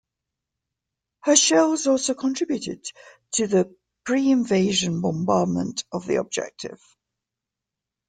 Her shells also contributed to the preinvasion bombardment of the objective.